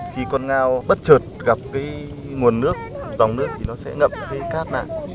khi con ngao bất chợt gặp cái nguồn nước dòng nước thì nó sẽ ngậm cái cát lại